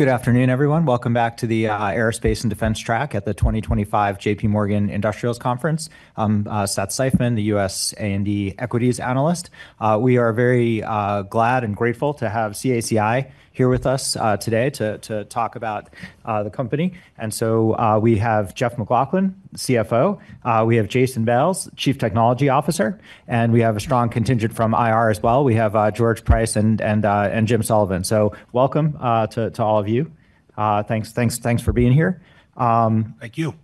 Good afternoon, everyone. Welcome back to the Aerospace and Defense Track at the 2025 J.P. Morgan Industrials Conference. I'm Seth Seifman, the U.S. A&D Equities Analyst. We are very glad and grateful to have CACI here with us today to talk about the company. We have Jeffrey D. MacLauchlan, CFO. We have Glenn Kurowski, Chief Technology Officer. We have a strong contingent from IR as well. We have George Price and Jim Sullivan. Welcome to all of you. Thanks for being here. Thank you.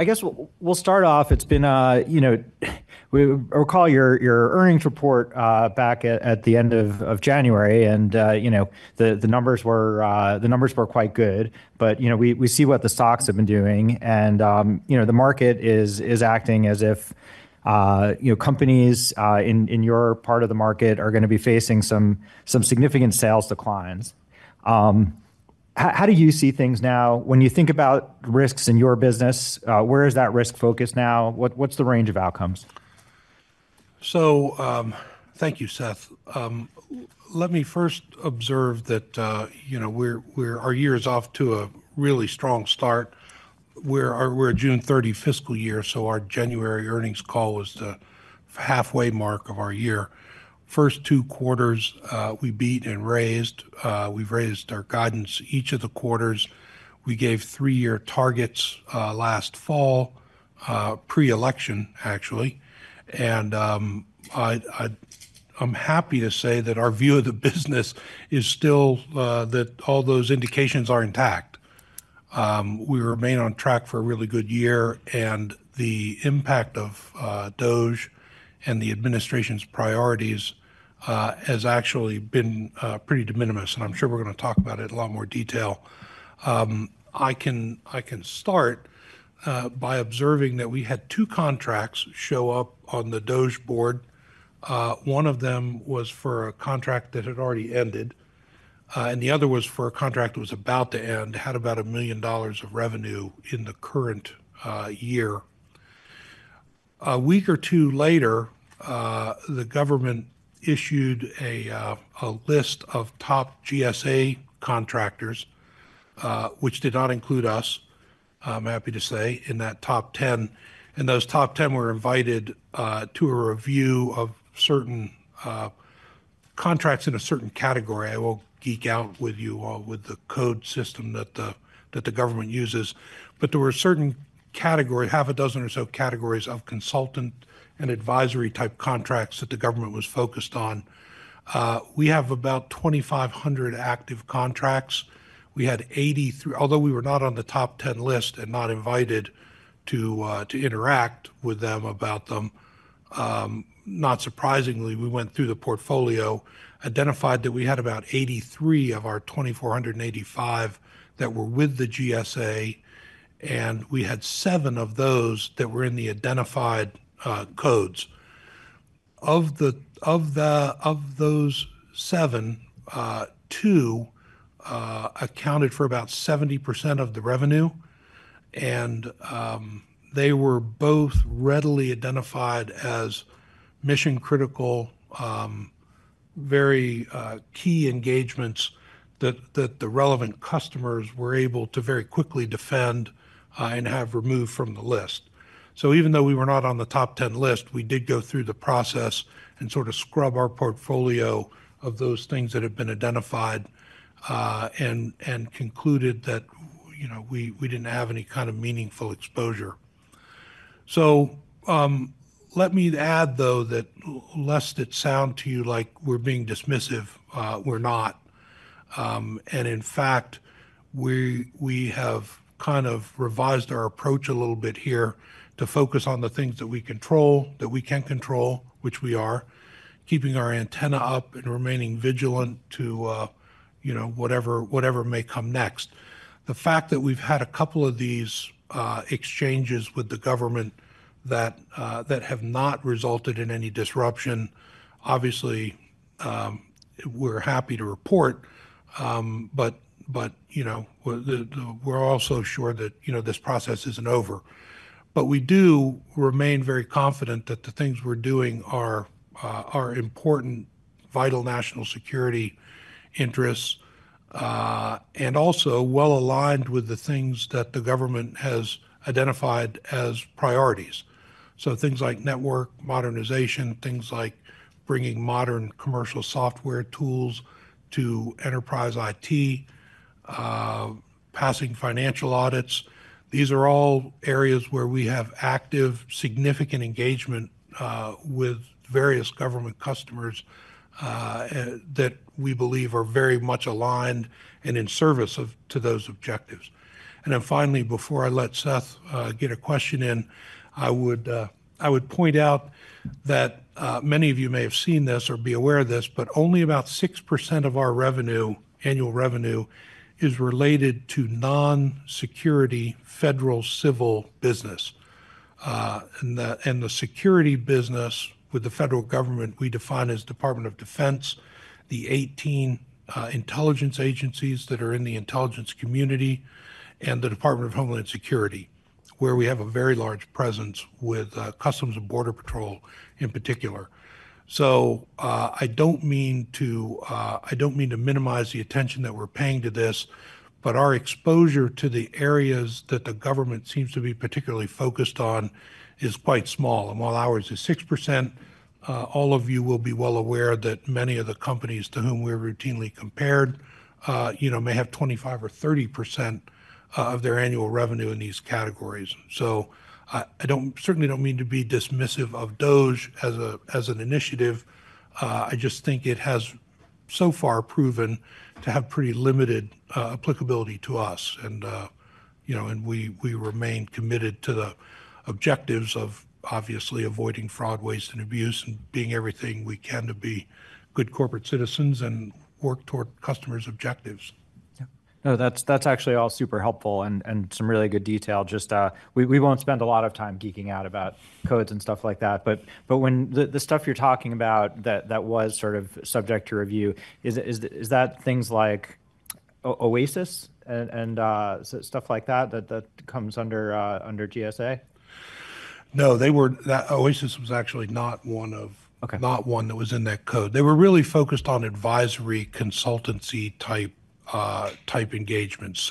Sure. I guess we'll start off. It's been, you know, we recall your earnings report back at the end of January. And, you know, the numbers were quite good. But, you know, we see what the stocks have been doing. And, you know, the market is acting as if, you know, companies in your part of the market are going to be facing some significant sales declines. How do you see things now? When you think about risks in your business, where is that risk focused now? What's the range of outcomes? Thank you, Seth. Let me first observe that, you know, our year is off to a really strong start. We're a June 30 fiscal year. Our January earnings call was the halfway mark of our year. First two quarters, we beat and raised. We've raised our guidance each of the quarters. We gave three-year targets last fall, pre-election, actually. I'm happy to say that our view of the business is still that all those indications are intact. We remain on track for a really good year. The impact of DOGE and the administration's priorities has actually been pretty de minimis. I'm sure we're going to talk about it in a lot more detail. I can start by observing that we had two contracts show up on the DOGE board. One of them was for a contract that had already ended. The other was for a contract that was about to end, had about $1 million of revenue in the current year. A week or two later, the government issued a list of top GSA contractors, which did not include us, I'm happy to say, in that top 10. Those top 10 were invited to a review of certain contracts in a certain category. I won't geek out with you all with the code system that the government uses. There were certain categories, half a dozen or so categories of consultant and advisory type contracts that the government was focused on. We have about 2,500 active contracts. We had 83, although we were not on the top 10 list and not invited to interact with them about them. Not surprisingly, we went through the portfolio, identified that we had about 83 of our 2,485 that were with the GSA. We had seven of those that were in the identified codes. Of those seven, two accounted for about 70% of the revenue. They were both readily identified as mission-critical, very key engagements that the relevant customers were able to very quickly defend and have removed from the list. Even though we were not on the top 10 list, we did go through the process and sort of scrub our portfolio of those things that had been identified and concluded that, you know, we did not have any kind of meaningful exposure. Let me add, though, that lest it sound to you like we are being dismissive, we are not. In fact, we have kind of revised our approach a little bit here to focus on the things that we control, that we can control, which we are, keeping our antenna up and remaining vigilant to, you know, whatever may come next. The fact that we've had a couple of these exchanges with the government that have not resulted in any disruption, obviously, we're happy to report. You know, we're also sure that, you know, this process isn't over. We do remain very confident that the things we're doing are important, vital national security interests, and also well aligned with the things that the government has identified as priorities. Things like network modernization, things like bringing modern commercial software tools to enterprise IT, passing financial audits. These are all areas where we have active significant engagement with various government customers that we believe are very much aligned and in service to those objectives. Finally, before I let Seth get a question in, I would point out that many of you may have seen this or be aware of this, but only about 6% of our revenue, annual revenue, is related to non-security federal civil business. The security business with the federal government, we define as Department of Defense, the 18 intelligence agencies that are in the intelligence community, and the Department of Homeland Security, where we have a very large presence with Customs and Border Protection in particular. I do not mean to minimize the attention that we are paying to this, but our exposure to the areas that the government seems to be particularly focused on is quite small. While ours is 6%, all of you will be well aware that many of the companies to whom we're routinely compared, you know, may have 25% or 30% of their annual revenue in these categories. I certainly don't mean to be dismissive of DOGE as an initiative. I just think it has so far proven to have pretty limited applicability to us. You know, we remain committed to the objectives of obviously avoiding fraud, waste, and abuse, and being everything we can to be good corporate citizens and work toward customers' objectives. No, that's actually all super helpful and some really good detail. Just we won't spend a lot of time geeking out about codes and stuff like that. When the stuff you're talking about that was sort of subject to review, is that things like OASIS and stuff like that that comes under GSA? No, OASIS was actually not one of, not one that was in that code. They were really focused on advisory consultancy type engagements.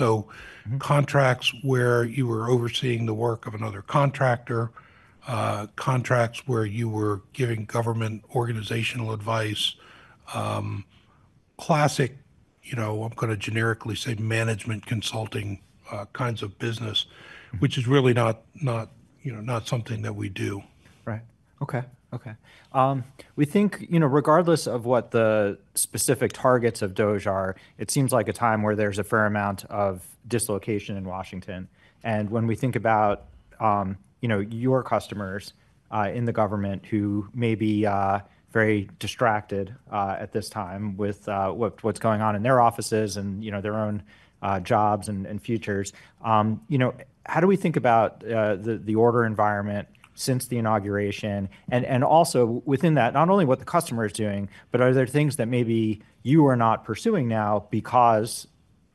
Contracts where you were overseeing the work of another contractor, contracts where you were giving government organizational advice, classic, you know, I'm going to generically say management consulting kinds of business, which is really not, you know, not something that we do. Right. Okay. Okay. We think, you know, regardless of what the specific targets of DOGE are, it seems like a time where there's a fair amount of dislocation in Washington. And when we think about, you know, your customers in the government who may be very distracted at this time with what's going on in their offices and, you know, their own jobs and futures, you know, how do we think about the order environment since the inauguration? And also within that, not only what the customer is doing, but are there things that maybe you are not pursuing now because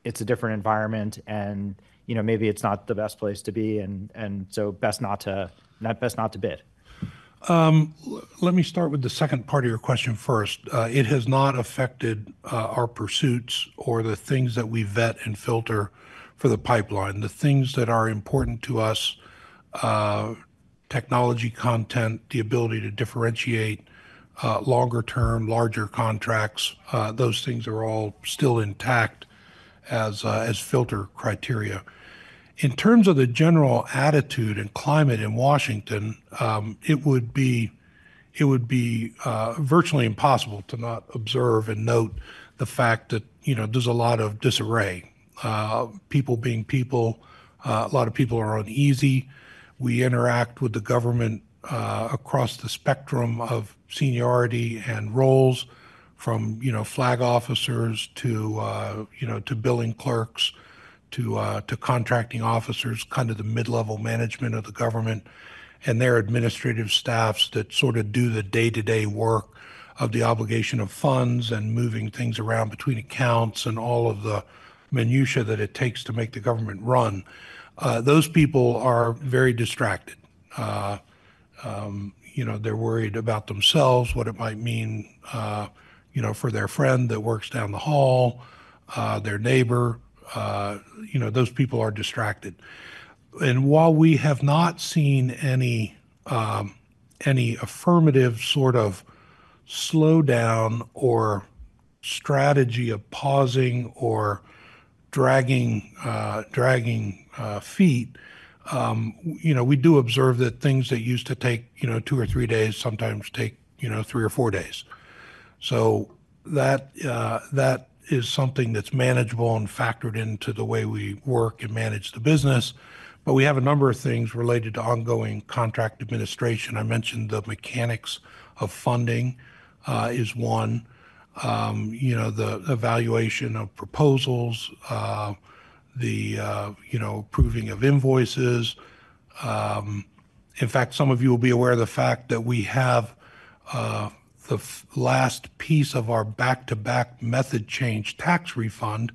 it's a different environment and, you know, maybe it's not the best place to be and so best not to bid. Let me start with the second part of your question first. It has not affected our pursuits or the things that we vet and filter for the pipeline. The things that are important to us, technology content, the ability to differentiate longer-term, larger contracts, those things are all still intact as filter criteria. In terms of the general attitude and climate in Washington, it would be virtually impossible to not observe and note the fact that, you know, there's a lot of disarray. People being people, a lot of people are uneasy. We interact with the government across the spectrum of seniority and roles from, you know, flag officers to, you know, to billing clerks to contracting officers, kind of the mid-level management of the government and their administrative staffs that sort of do the day-to-day work of the obligation of funds and moving things around between accounts and all of the minutia that it takes to make the government run. Those people are very distracted. You know, they're worried about themselves, what it might mean, you know, for their friend that works down the hall, their neighbor. You know, those people are distracted. While we have not seen any affirmative sort of slowdown or strategy of pausing or dragging feet, you know, we do observe that things that used to take, you know, two or three days sometimes take, you know, three or four days. That is something that's manageable and factored into the way we work and manage the business. We have a number of things related to ongoing contract administration. I mentioned the mechanics of funding is one. You know, the evaluation of proposals, the, you know, approving of invoices. In fact, some of you will be aware of the fact that we have the last piece of our back-to-back method change tax refund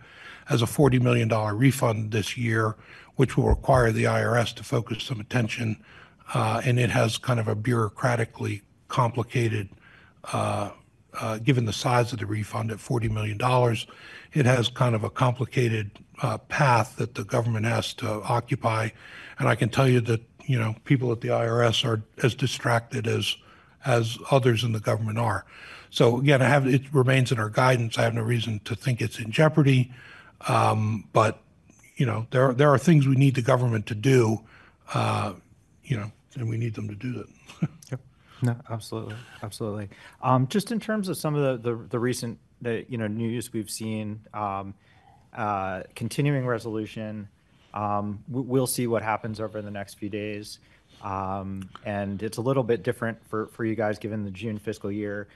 as a $40 million refund this year, which will require the IRS to focus some attention. It has kind of a bureaucratically complicated, given the size of the refund at $40 million, it has kind of a complicated path that the government has to occupy. I can tell you that, you know, people at the IRS are as distracted as others in the government are. It remains in our guidance. I have no reason to think it's in jeopardy. You know, there are things we need the government to do, you know, and we need them to do that. Yeah. No, absolutely. Absolutely. Just in terms of some of the recent, you know, news we've seen, continuing resolution, we'll see what happens over the next few days. It is a little bit different for you guys given the June fiscal year.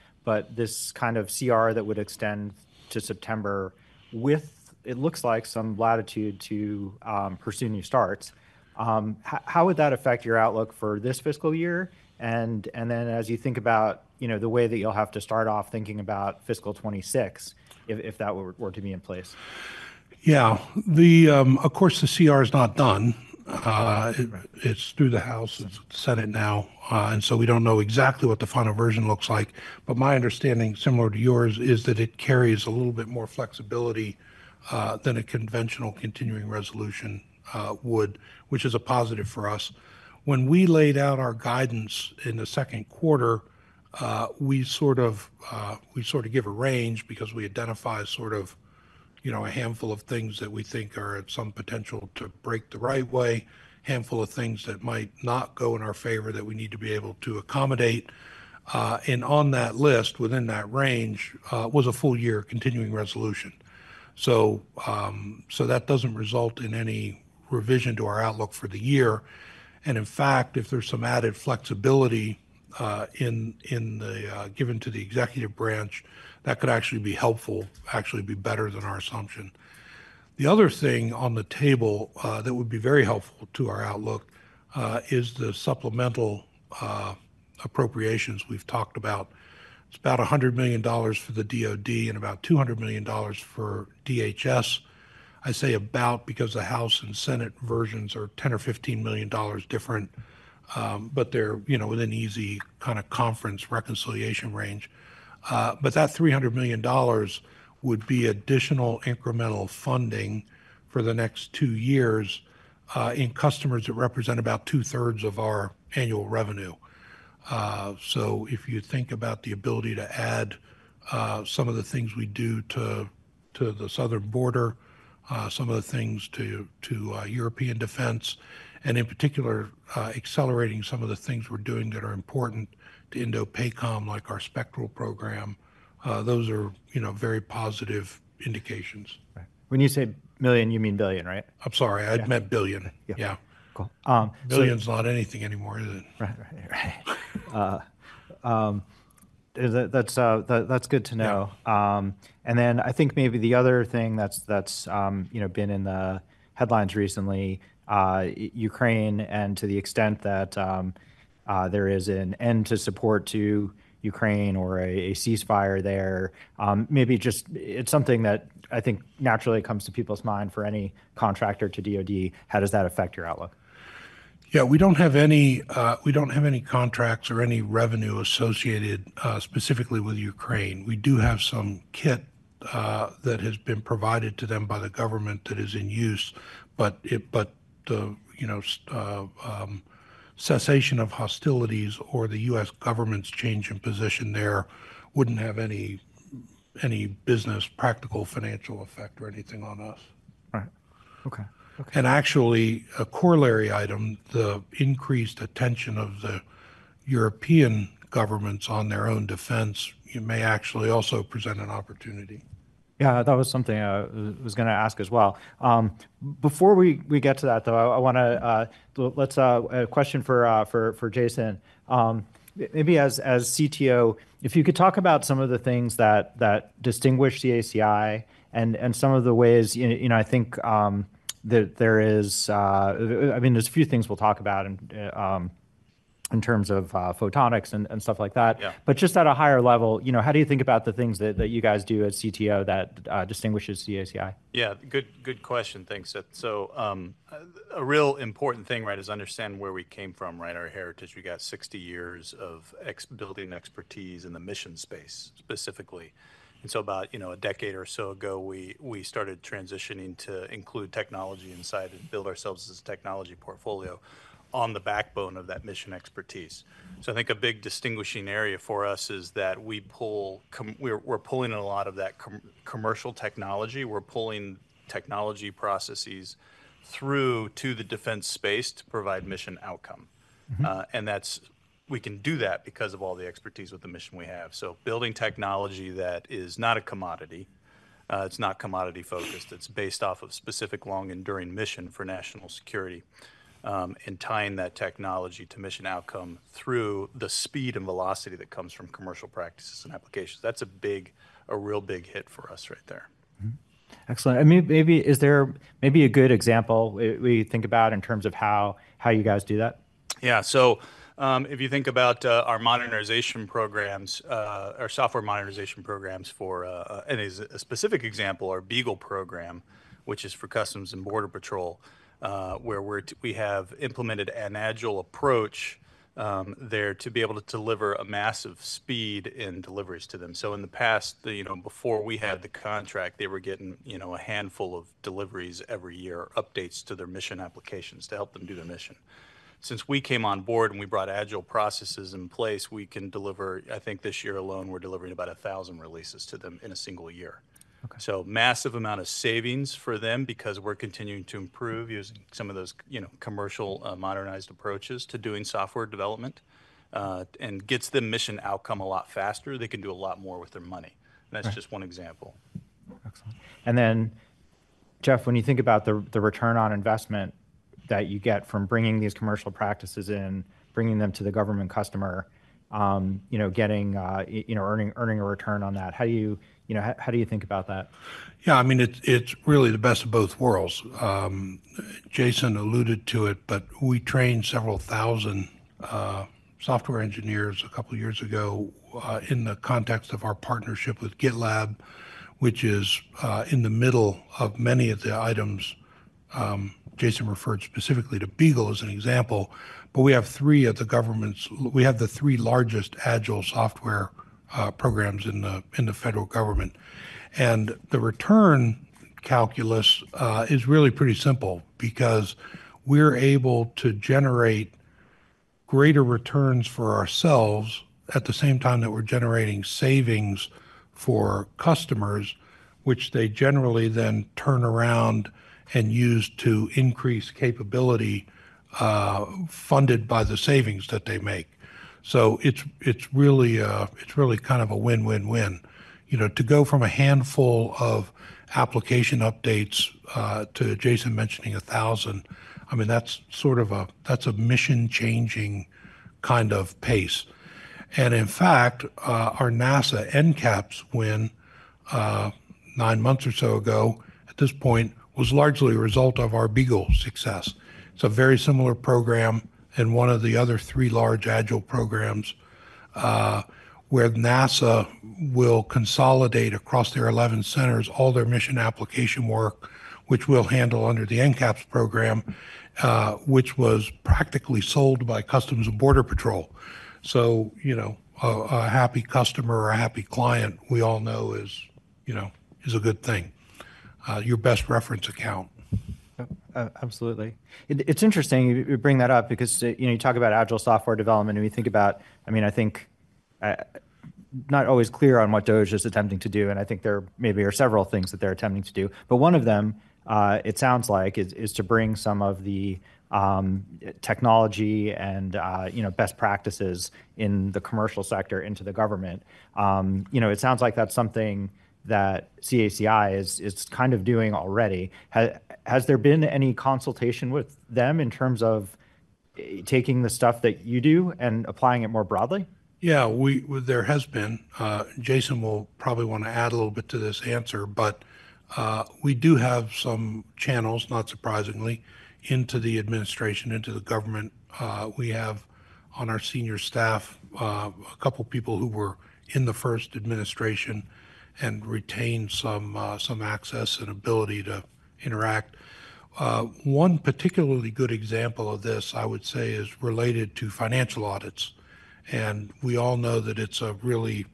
This kind of CR that would extend to September with, it looks like, some latitude to pursue new starts. How would that affect your outlook for this fiscal year? As you think about, you know, the way that you'll have to start off thinking about fiscal 2026, if that were to be in place. Yeah. Of course, the CR is not done. It is through the House and Senate now. We do not know exactly what the final version looks like. My understanding, similar to yours, is that it carries a little bit more flexibility than a conventional continuing resolution would, which is a positive for us. When we laid out our guidance in the second quarter, we sort of give a range because we identify, you know, a handful of things that we think are some potential to break the right way, a handful of things that might not go in our favor that we need to be able to accommodate. On that list, within that range, was a full year continuing resolution. That does not result in any revision to our outlook for the year. If there's some added flexibility given to the executive branch, that could actually be helpful, actually be better than our assumption. The other thing on the table that would be very helpful to our outlook is the supplemental appropriations we've talked about. It's about $100 million for the DOD and about $200 million for DHS. I say about because the House and Senate versions are $10 million or $15 million different, but they're, you know, within easy kind of conference reconciliation range. That $300 million would be additional incremental funding for the next two years in customers that represent about two-thirds of our annual revenue. If you think about the ability to add some of the things we do to the Southern Border, some of the things to European defense, and in particular, accelerating some of the things we're doing that are important to INDOPACOM, like our SPECTRA program, those are, you know, very positive indications. When you say million, you mean billion, right? I'm sorry, I meant billion. Yeah. Cool. Billion's not anything anymore, is it? Right. Right. That's good to know. I think maybe the other thing that's, you know, been in the headlines recently, Ukraine, and to the extent that there is an end to support to Ukraine or a ceasefire there, maybe just it's something that I think naturally comes to people's mind for any contractor to DOD, how does that affect your outlook? Yeah, we don't have any, we don't have any contracts or any revenue associated specifically with Ukraine. We do have some kit that has been provided to them by the government that is in use. The, you know, cessation of hostilities or the U.S. government's change in position there wouldn't have any business, practical, financial effect or anything on us. Right. Okay. A corollary item, the increased attention of the European governments on their own defense may actually also present an opportunity. Yeah, that was something I was going to ask as well. Before we get to that, though, I want to, let's, a question for Glenn. Maybe as CTO, if you could talk about some of the things that distinguish CACI and some of the ways, you know, I think that there is, I mean, there's a few things we'll talk about in terms of photonics and stuff like that. Just at a higher level, you know, how do you think about the things that you guys do at CTO that distinguishes CACI? Yeah, good question. Thanks, Seth. A real important thing, right, is understand where we came from, right, our heritage. We got 60 years of building expertise in the mission space specifically. About, you know, a decade or so ago, we started transitioning to include technology inside and build ourselves as a technology portfolio on the backbone of that mission expertise. I think a big distinguishing area for us is that we pull, we're pulling a lot of that commercial technology. We're pulling technology processes through to the defense space to provide mission outcome. We can do that because of all the expertise with the mission we have. Building technology that is not a commodity, it's not commodity-focused, it's based off of specific long-enduring mission for national security and tying that technology to mission outcome through the speed and velocity that comes from commercial practices and applications. That's a big, a real big hit for us right there. Excellent. Is there maybe a good example we think about in terms of how you guys do that? Yeah. If you think about our modernization programs, our software modernization programs for, and as a specific example, our BEAGLE program, which is for Customs and Border Protection, where we have implemented an agile approach there to be able to deliver a massive speed in deliveries to them. In the past, you know, before we had the contract, they were getting, you know, a handful of deliveries every year, updates to their mission applications to help them do their mission. Since we came on board and we brought agile processes in place, we can deliver, I think this year alone, we're delivering about 1,000 releases to them in a single year. Massive amount of savings for them because we're continuing to improve using some of those, you know, commercial modernized approaches to doing software development and gets them mission outcome a lot faster. They can do a lot more with their money. That is just one example. Excellent. Jeffrey, when you think about the return on investment that you get from bringing these commercial practices in, bringing them to the government customer, you know, getting, you know, earning a return on that, how do you, you know, how do you think about that? Yeah, I mean, it's really the best of both worlds. Glenn alluded to it, but we trained several thousand software engineers a couple of years ago in the context of our partnership with GitLab, which is in the middle of many of the items. Glenn referred specifically to BEAGLE as an example, but we have three of the government's, we have the three largest agile software programs in the federal government. The return calculus is really pretty simple because we're able to generate greater returns for ourselves at the same time that we're generating savings for customers, which they generally then turn around and use to increase capability funded by the savings that they make. It's really, it's really kind of a win-win-win. You know, to go from a handful of application updates to Glenn mentioning 1,000, I mean, that's sort of a, that's a mission-changing kind of pace. In fact, our NASA NCAPS win, nine months or so ago at this point, was largely a result of our BEAGLE success. It's a very similar program and one of the other three large agile programs where NASA will consolidate across their 11 centers all their mission application work, which we'll handle under the NCAPS program, which was practically sold by Customs and Border Patrol. You know, a happy customer or a happy client, we all know is, you know, is a good thing, your best reference account. Absolutely. It's interesting you bring that up because, you know, you talk about agile software development and we think about, I mean, I think not always clear on what DOGE is attempting to do. I think there maybe are several things that they're attempting to do. One of them, it sounds like, is to bring some of the technology and, you know, best practices in the commercial sector into the government. You know, it sounds like that's something that CACI is kind of doing already. Has there been any consultation with them in terms of taking the stuff that you do and applying it more broadly? Yeah, there has been. Glenn will probably want to add a little bit to this answer, but we do have some channels, not surprisingly, into the administration, into the government. We have on our senior staff a couple of people who were in the first administration and retained some access and ability to interact. One particularly good example of this, I would say, is related to financial audits. And we all know that it's a really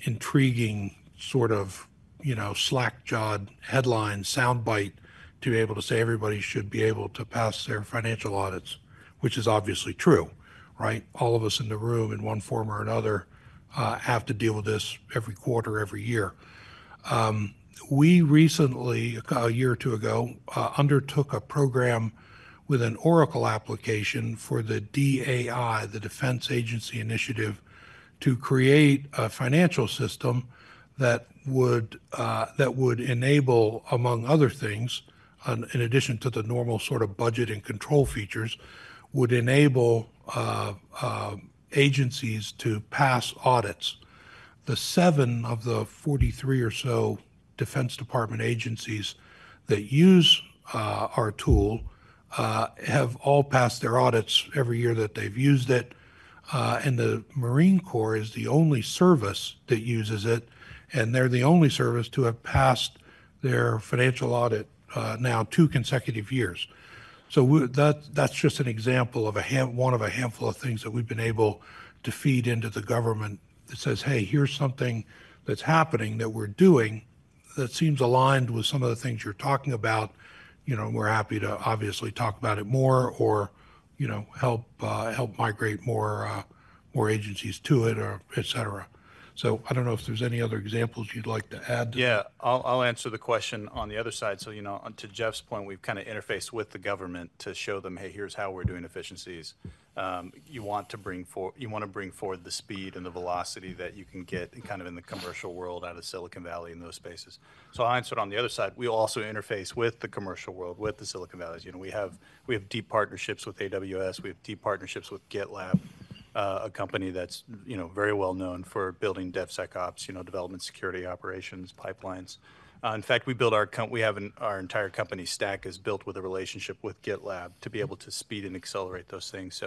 intriguing sort of, you know, slack-jawed headline soundbite to be able to say everybody should be able to pass their financial audits, which is obviously true, right? All of us in the room in one form or another have to deal with this every quarter, every year. We recently, a year or two ago, undertook a program with an Oracle application for the DAI, the Defense Agencies Initiative, to create a financial system that would enable, among other things, in addition to the normal sort of budget and control features, would enable agencies to pass audits. Seven of the 43 or so Defense Department agencies that use our tool have all passed their audits every year that they've used it. The Marine Corps is the only service that uses it. They're the only service to have passed their financial audit now two consecutive years. That is just an example of one of a handful of things that we've been able to feed into the government that says, hey, here's something that's happening that we're doing that seems aligned with some of the things you're talking about. You know, we're happy to obviously talk about it more or, you know, help migrate more agencies to it, et cetera. I don't know if there's any other examples you'd like to add. Yeah, I'll answer the question on the other side. You know, to Jeffrey's point, we've kind of interfaced with the government to show them, hey, here's how we're doing efficiencies. You want to bring forward, you want to bring forward the speed and the velocity that you can get kind of in the commercial world out of Silicon Valley in those spaces. I'll answer it on the other side. We also interface with the commercial world, with the Silicon Valleys. You know, we have deep partnerships with AWS. We have deep partnerships with GitLab, a company that's, you know, very well known for building DevSecOps, you know, development security operations, pipelines. In fact, we build our, we have our entire company stack is built with a relationship with GitLab to be able to speed and accelerate those things.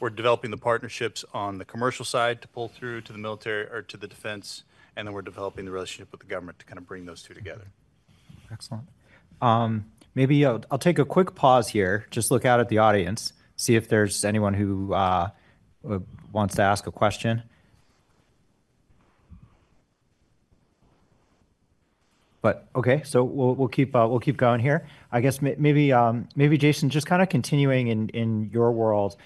We're developing the partnerships on the commercial side to pull through to the military or to the defense. And then we're developing the relationship with the government to kind of bring those two together. Excellent. Maybe I'll take a quick pause here, just look out at the audience, see if there's anyone who wants to ask a question. Okay, we'll keep going here. I guess maybe Glenn, just kind of continuing in your world,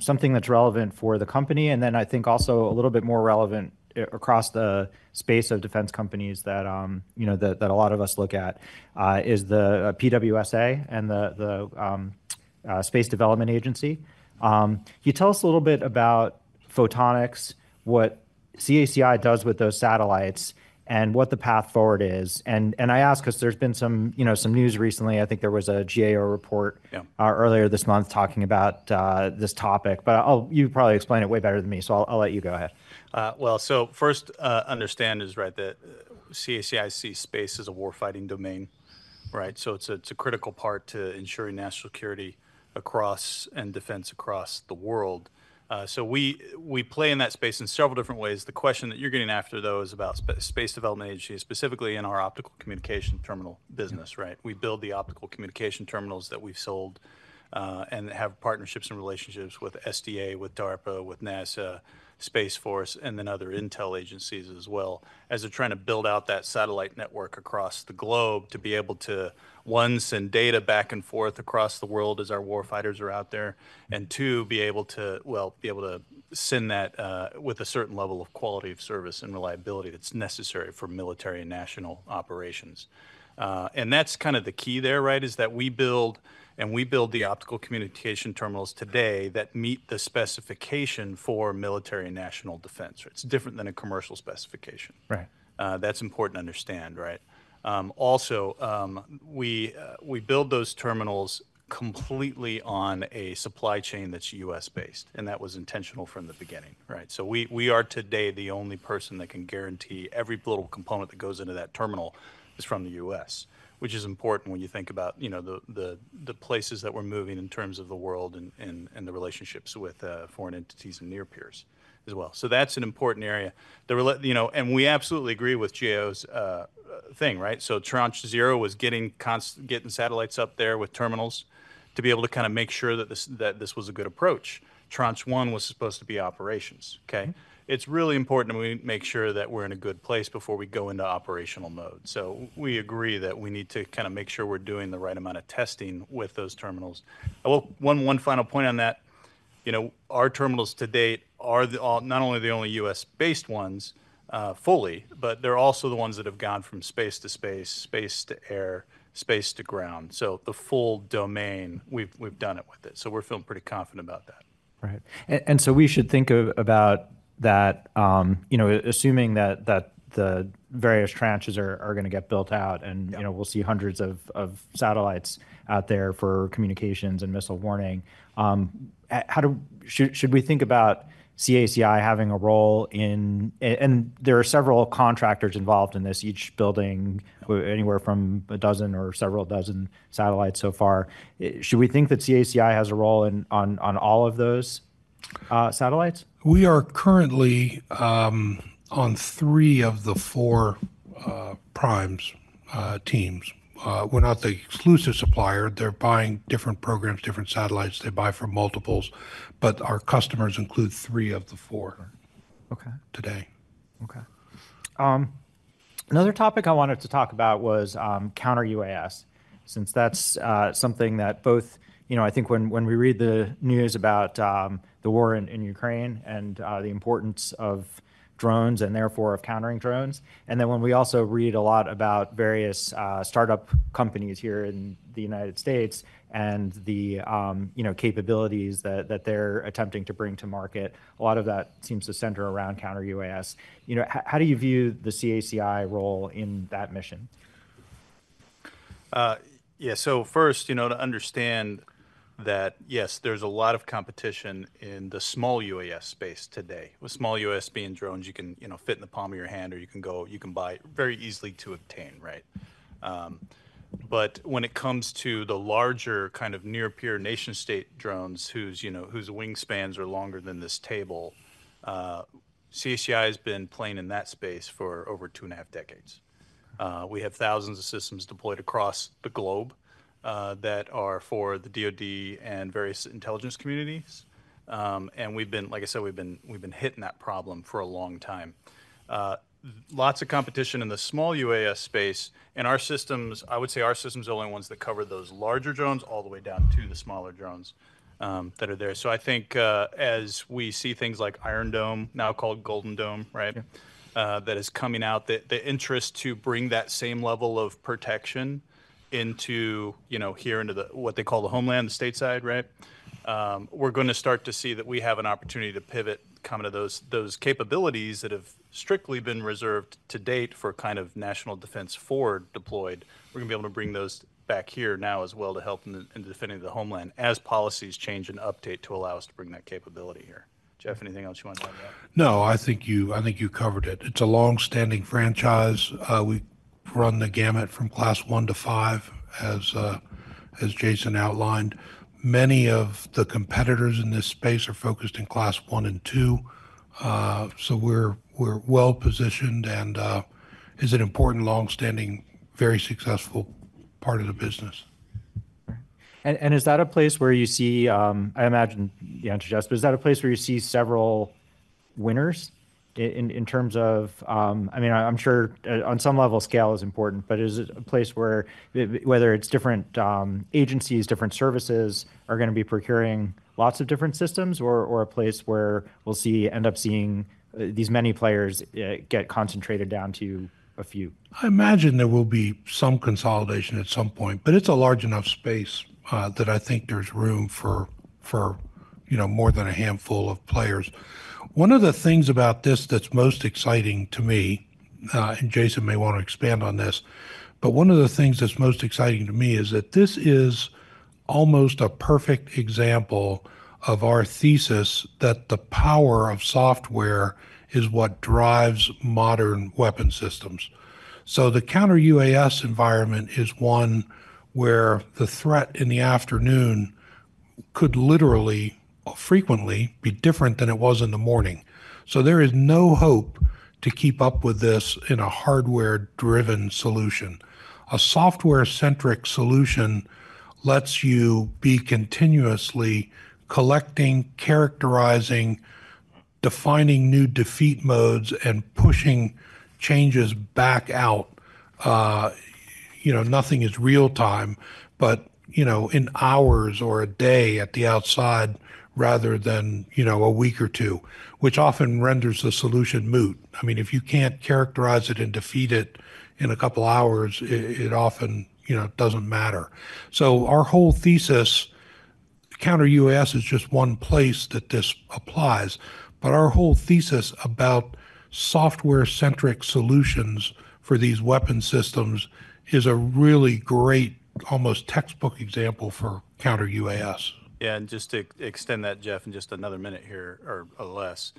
something that's relevant for the company and then I think also a little bit more relevant across the space of defense companies that, you know, that a lot of us look at is the PWSA and the Space Development Agency. Can you tell us a little bit about photonics, what CACI does with those satellites and what the path forward is? I ask because there's been some, you know, some news recently. I think there was a GAO report earlier this month talking about this topic, but you probably explain it way better than me. I'll let you go ahead. First understand is, right, that CACI sees space as a warfighting domain, right? It is a critical part to ensuring national security across and defense across the world. We play in that space in several different ways. The question that you are getting after, though, is about Space Development Agency, specifically in our optical communication terminal business, right? We build the optical communication terminals that we have sold and have partnerships and relationships with SDA, with DARPA, with NASA, Space Force, and then other intel agencies as well as they are trying to build out that satellite network across the globe to be able to, one, send data back and forth across the world as our warfighters are out there, and two, be able to, well, be able to send that with a certain level of quality of service and reliability that is necessary for military and national operations. That is kind of the key there, right, is that we build and we build the optical communication terminals today that meet the specification for military and national defense. It is different than a commercial specification. Right. That's important to understand, right? Also, we build those terminals completely on a supply chain that's U.S.-based. That was intentional from the beginning, right? We are today the only person that can guarantee every little component that goes into that terminal is from the U.S., which is important when you think about, you know, the places that we're moving in terms of the world and the relationships with foreign entities and near peers as well. That's an important area. You know, and we absolutely agree with GAO's thing, right? Tranche Zero was getting satellites up there with terminals to be able to kind of make sure that this was a good approach. Tranche One was supposed to be operations. Okay? It's really important that we make sure that we're in a good place before we go into operational mode. We agree that we need to kind of make sure we're doing the right amount of testing with those terminals. One final point on that, you know, our terminals to date are not only the only U.S.-based ones fully, but they're also the ones that have gone from space to space, space to air, space to ground. So the full domain, we've done it with it. We're feeling pretty confident about that. Right. We should think about that, you know, assuming that the various tranches are going to get built out and, you know, we'll see hundreds of satellites out there for communications and missile warning. How should we think about CACI having a role in, and there are several contractors involved in this, each building anywhere from a dozen or several dozen satellites so far. Should we think that CACI has a role on all of those satellites? We are currently on three of the four primes teams. We're not the exclusive supplier. They're buying different programs, different satellites. They buy for multiples, but our customers include three of the four today. Okay. Another topic I wanted to talk about was counter UAS, since that's something that both, you know, I think when we read the news about the war in Ukraine and the importance of drones and therefore of countering drones, and then when we also read a lot about various startup companies here in the United States and the, you know, capabilities that they're attempting to bring to market, a lot of that seems to center around counter UAS. You know, how do you view the CACI role in that mission? Yeah, so first, you know, to understand that yes, there's a lot of competition in the small UAS space today, with small UAS being drones you can, you know, fit in the palm of your hand or you can go, you can buy very easily to obtain, right? When it comes to the larger kind of near-peer nation-state drones whose, you know, whose wingspans are longer than this table, CACI has been playing in that space for over two and a half decades. We have thousands of systems deployed across the globe that are for the DOD and various intelligence communities. Like I said, we've been hitting that problem for a long time. Lots of competition in the small UAS space. Our systems, I would say our systems are the only ones that cover those larger drones all the way down to the smaller drones that are there. I think as we see things like Iron Dome, now called Golden Dome, right, that is coming out, the interest to bring that same level of protection into, you know, here into what they call the homeland, the stateside, right? We are going to start to see that we have an opportunity to pivot kind of those capabilities that have strictly been reserved to date for kind of national defense forward deployed. We are going to be able to bring those back here now as well to help in defending the homeland as policies change and update to allow us to bring that capability here. Jeffrey, anything else you want to add to that? No, I think you covered it. It's a long-standing franchise. We run the gamut from Class 1 to 5, as Glenn outlined. Many of the competitors in this space are focused in Class 1 and 2. We are well positioned and it is an important, long-standing, very successful part of the business. Is that a place where you see, I imagine the answer to Jeffrey, but is that a place where you see several winners in terms of, I mean, I'm sure on some level scale is important, but is it a place where whether it's different agencies, different services are going to be procuring lots of different systems or a place where we'll see, end up seeing these many players get concentrated down to a few? I imagine there will be some consolidation at some point, but it's a large enough space that I think there's room for, you know, more than a handful of players. One of the things about this that's most exciting to me, and Glenn may want to expand on this, but one of the things that's most exciting to me is that this is almost a perfect example of our thesis that the power of software is what drives modern weapon systems. The counter UAS environment is one where the threat in the afternoon could literally frequently be different than it was in the morning. There is no hope to keep up with this in a hardware-driven solution. A software-centric solution lets you be continuously collecting, characterizing, defining new defeat modes, and pushing changes back out. You know, nothing is real time, but, you know, in hours or a day at the outside rather than, you know, a week or two, which often renders the solution moot. I mean, if you can't characterize it and defeat it in a couple of hours, it often, you know, doesn't matter. Our whole thesis, counter UAS is just one place that this applies, but our whole thesis about software-centric solutions for these weapon systems is a really great, almost textbook example for counter UAS. Yeah, and just to extend that, Jeffrey, in just another minute here or less,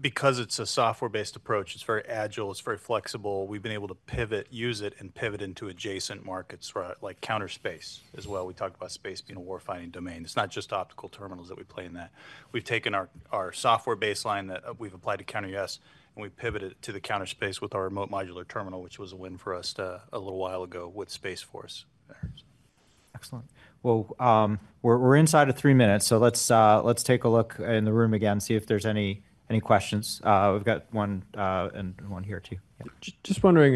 because it's a software-based approach, it's very agile, it's very flexible. We've been able to pivot, use it, and pivot into adjacent markets, right, like counter space as well. We talked about space being a warfighting domain. It's not just optical terminals that we play in that. We've taken our software baseline that we've applied to counter UAS, and we pivoted to the counter space with our Remote Modular Terminal, which was a win for us a little while ago with Space Force. Excellent. We are inside of three minutes, so let's take a look in the room again, see if there are any questions. We have one and one here too. Just wondering,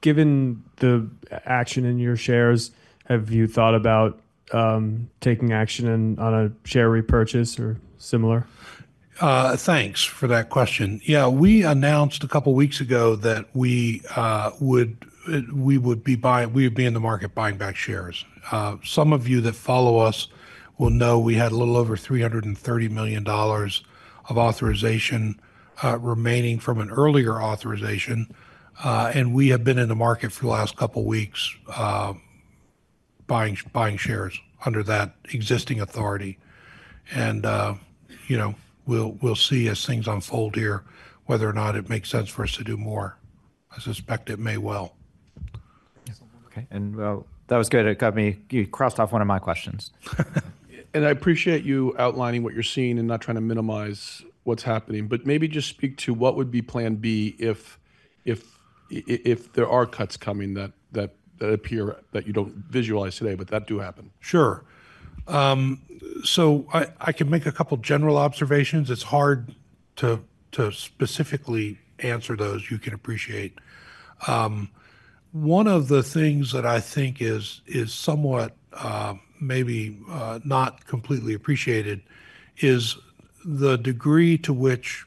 given the action in your shares, have you thought about taking action on a share repurchase or similar? Thanks for that question. Yeah, we announced a couple of weeks ago that we would be buying, we would be in the market buying back shares. Some of you that follow us will know we had a little over $330 million of authorization remaining from an earlier authorization. We have been in the market for the last couple of weeks buying shares under that existing authority. You know, we'll see as things unfold here whether or not it makes sense for us to do more. I suspect it may well. Okay. That was good. It got me, you crossed off one of my questions. I appreciate you outlining what you're seeing and not trying to minimize what's happening, but maybe just speak to what would be plan B if there are cuts coming that appear that you don't visualize today, but that do happen. Sure. I can make a couple of general observations. It's hard to specifically answer those, you can appreciate. One of the things that I think is somewhat maybe not completely appreciated is the degree to which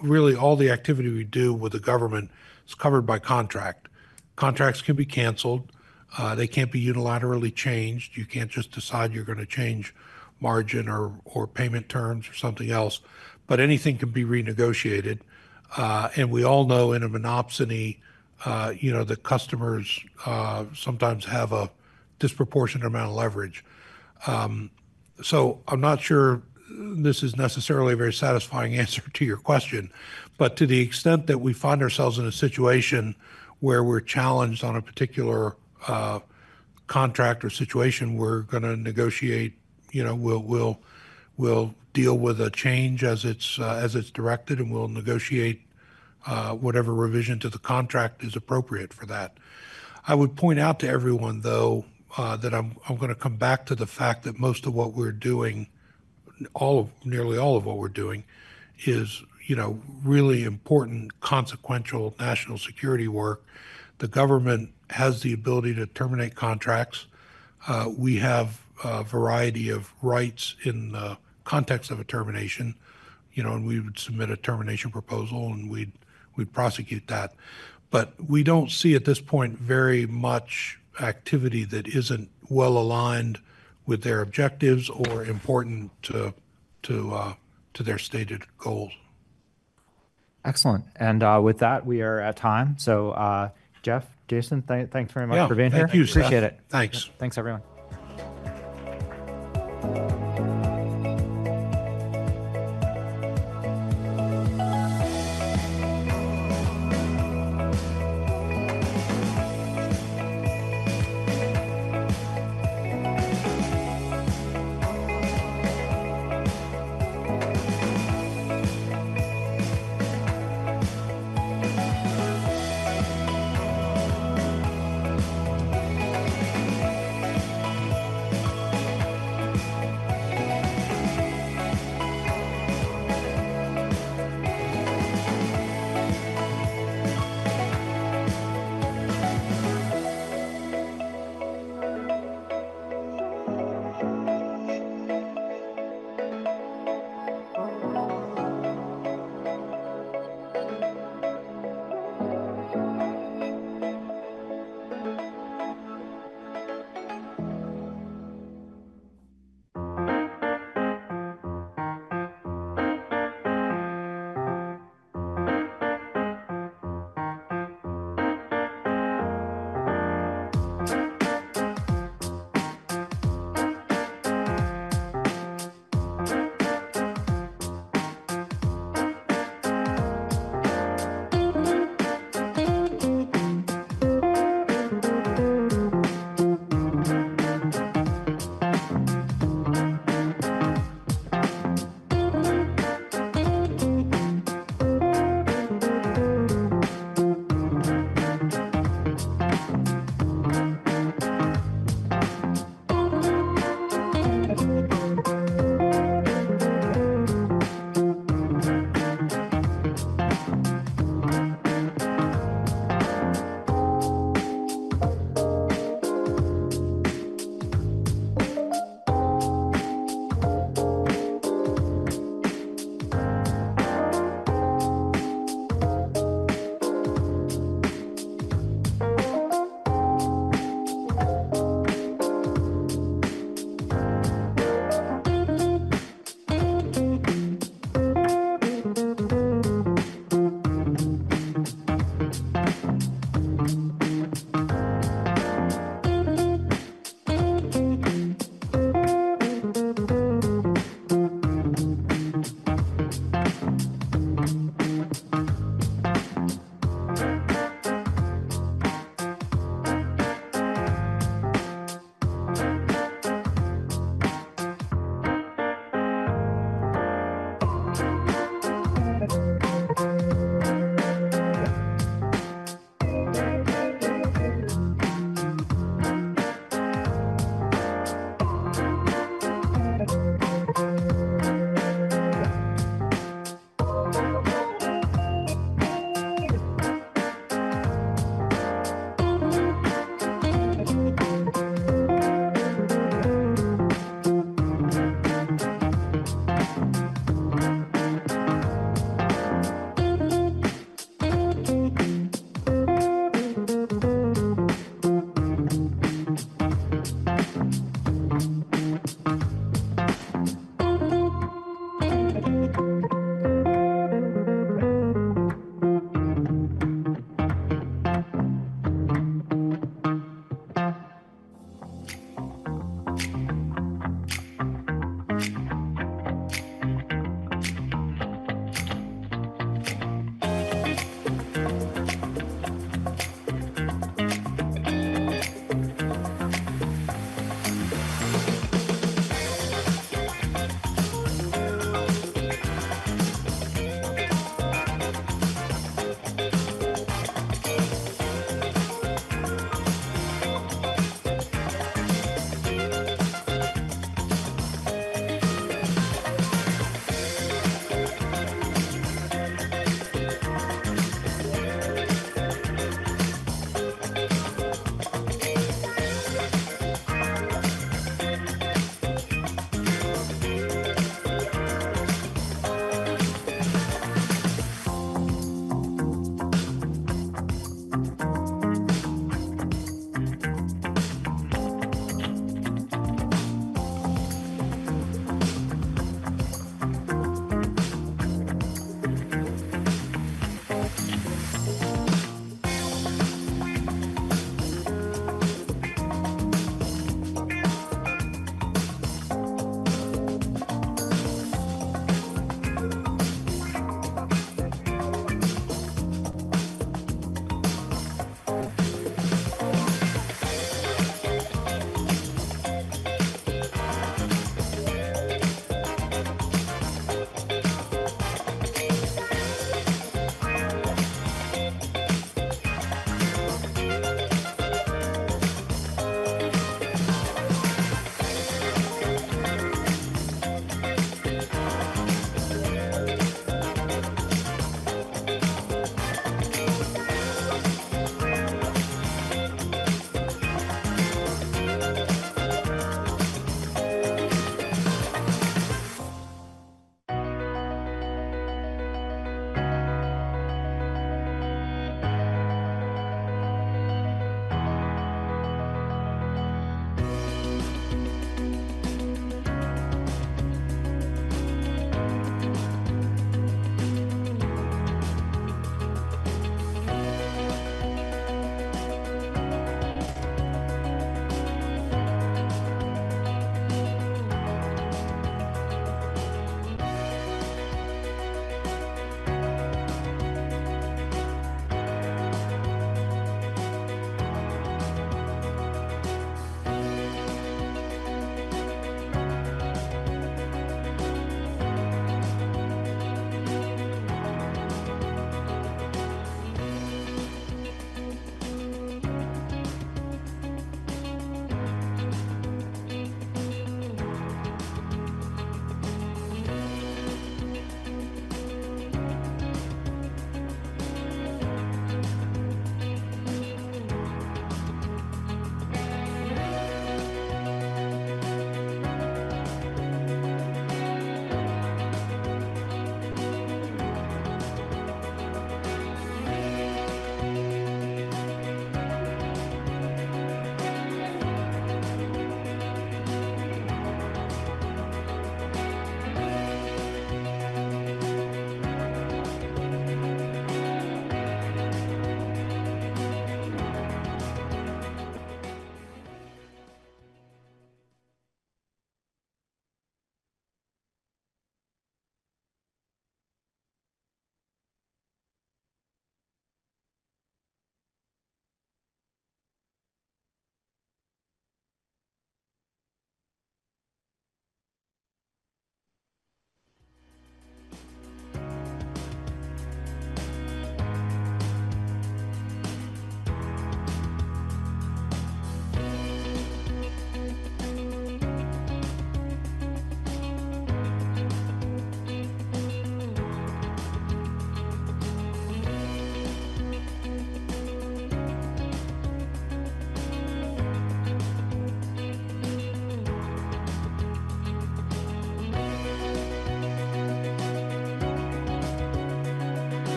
really all the activity we do with the government is covered by contract. Contracts can be canceled. They can't be unilaterally changed. You can't just decide you're going to change margin or payment terms or something else, but anything can be renegotiated. You know, in a monopsony, the customers sometimes have a disproportionate amount of leverage. I'm not sure this is necessarily a very satisfying answer to your question, but to the extent that we find ourselves in a situation where we're challenged on a particular contract or situation, we're going to negotiate, you know, we'll deal with a change as it's directed and we'll negotiate whatever revision to the contract is appropriate for that. I would point out to everyone, though, that I'm going to come back to the fact that most of what we're doing, nearly all of what we're doing is, you know, really important, consequential national security work. The government has the ability to terminate contracts. We have a variety of rights in the context of a termination, you know, and we would submit a termination proposal and we'd prosecute that. We do not see at this point very much activity that is not well aligned with their objectives or important to their stated goals. Excellent. With that, we are at time. Jeffrey, Glenn, thanks very much for being here. Yeah, thank you, sir. Appreciate it. Thanks. Thanks, everyone.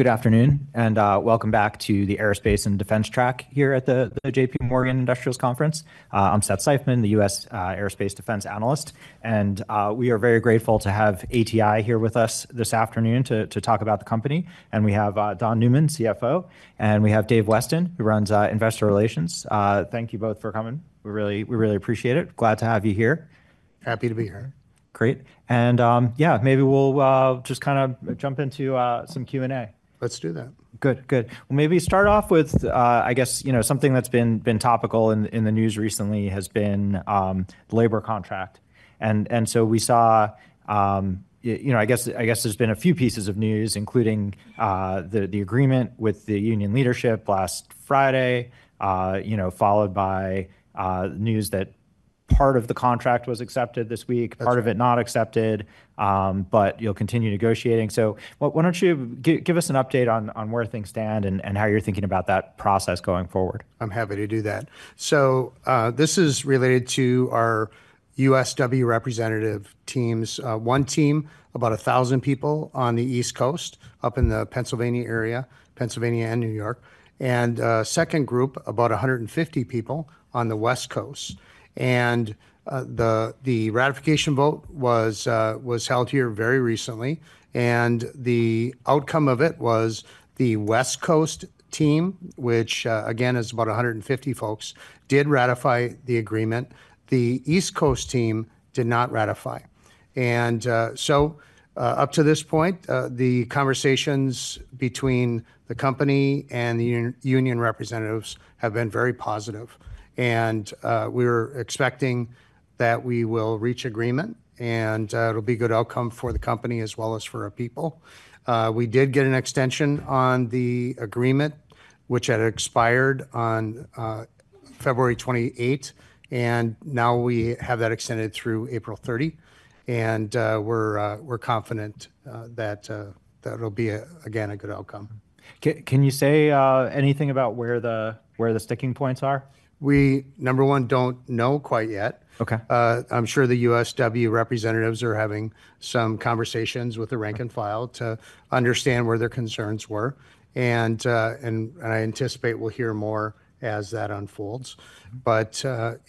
Good afternoon and welcome back to the Aerospace and Defense Track here at the J.P. Morgan Industrials Conference. I'm Seth Seifman, the U.S. Aerospace Defense Analyst, and we are very grateful to have ATI here with us this afternoon to talk about the company. We have Don Newman, CFO, and we have Dave Weston, who runs Investor Relations. Thank you both for coming. We really appreciate it. Glad to have you here. Happy to be here. Great. Yeah, maybe we'll just kind of jump into some Q&A. Let's do that. Good, good. Maybe start off with, I guess, you know, something that's been topical in the news recently has been the labor contract. We saw, you know, I guess there's been a few pieces of news, including the agreement with the union leadership last Friday, followed by news that part of the contract was accepted this week, part of it not accepted, but you'll continue negotiating. Why don't you give us an update on where things stand and how you're thinking about that process going forward? I'm happy to do that. This is related to our USW representative teams. One team, about 1,000 people on the East Coast, up in the Pennsylvania area, Pennsylvania and New York. A second group, about 150 people on the West Coast. The ratification vote was held here very recently. The outcome of it was the West Coast team, which again is about 150 folks, did ratify the agreement. The East Coast team did not ratify. Up to this point, the conversations between the company and the union representatives have been very positive. We were expecting that we will reach agreement and it'll be a good outcome for the company as well as for our people. We did get an extension on the agreement, which had expired on February 28, and now we have that extended through April 30. We're confident that it'll be, again, a good outcome. Can you say anything about where the sticking points are? We, number one, do not know quite yet. I'm sure the USW representatives are having some conversations with the rank and file to understand where their concerns were. I anticipate we will hear more as that unfolds. You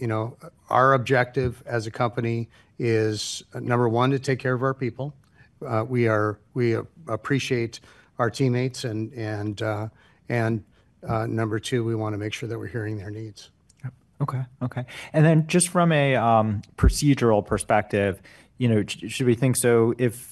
know, our objective as a company is, number one, to take care of our people. We appreciate our teammates. Number two, we want to make sure that we are hearing their needs. Okay, okay. And then just from a procedural perspective, you know, should we think so if.